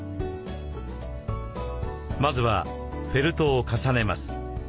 まずはフェルトを重ねます。